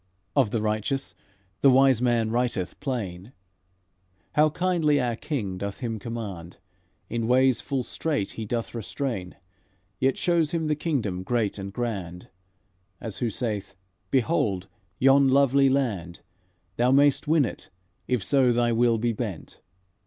Of the righteous, the Wise Man writeth plain How kindly our King doth him command; In ways full strait he doth restrain, Yet shows him the kingdom great and grand, As who saith: 'Behold! yon lovely land! Thou may'st win it, if so thy will be bent.'